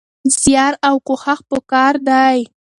زيار او کوښښ پکار دی.